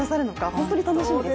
本当に楽しみですね。